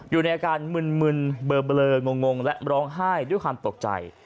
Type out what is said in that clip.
อยู่ในอาการมึนเบลองงและร้องไห้ด้วยความตกใจ